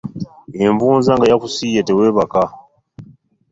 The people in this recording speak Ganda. Envunza nga yakusiye tewebaka.